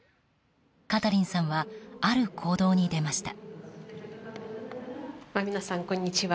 カタリンさんはある行動に出ました。